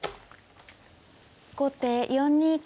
後手４二角。